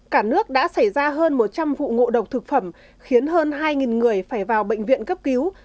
cả nước đã xảy ra hơn một trăm linh vụ ngộ độc thực phẩm khiến hơn hai người phải vào bệnh viện cấp cứu